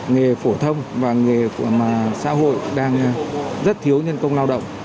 nghề phổ thông và nghề của xã hội đang rất thiếu nhân công lao động